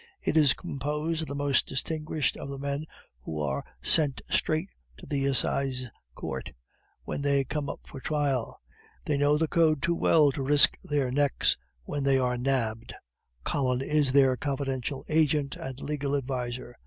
It is composed of the most distinguished of the men who are sent straight to the Assize Courts when they come up for trial. They know the Code too well to risk their necks when they are nabbed. Collin is their confidential agent and legal adviser.